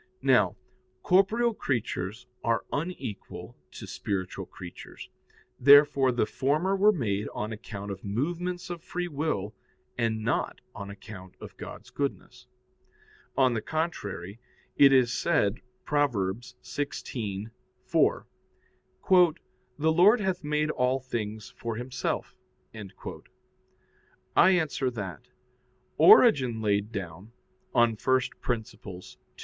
Now, corporeal creatures are unequal to spiritual creatures. Therefore the former were made on account of movements of free will, and not on account of God's goodness. On the contrary, It is said (Prov. 16:4): "The Lord hath made all things for Himself." I answer that, Origen laid down [*Peri Archon ii.